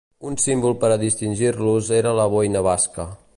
Un símbol per a distingir-los era la boina basca.